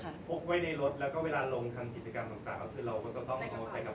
พกไว้ในรถแล้วก็เวลาลงทางกิจกรรมต่าง